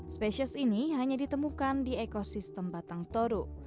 spesies ini hanya ditemukan di ekosistem batang toru